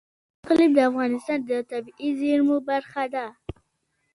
اقلیم د افغانستان د طبیعي زیرمو برخه ده.